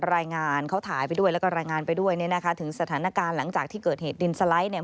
รายงานเขาถ่ายไปด้วยแล้วก็รายงานไปด้วยเนี่ยนะคะถึงสถานการณ์หลังจากที่เกิดเหตุดินสไลด์เนี่ย